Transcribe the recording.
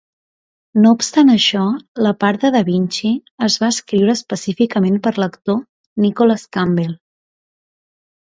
No obstant això, la part de Da Vinci es va escriure específicament per l'actor Nicholas Campbell.